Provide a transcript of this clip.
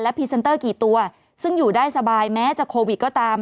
พรีเซนเตอร์กี่ตัวซึ่งอยู่ได้สบายแม้จะโควิดก็ตาม